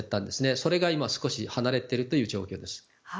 それが今、少し離れているという状況です。